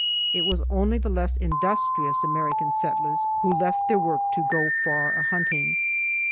It was only the less industrious American settlers who left their work to go far a hunting.